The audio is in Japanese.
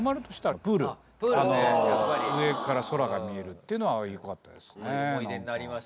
上から空が見えるっていうのは良かったですねなんか。